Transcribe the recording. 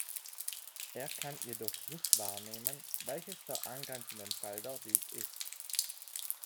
Er kann jedoch nicht wahrnehmen, welches der angrenzenden Felder dies ist.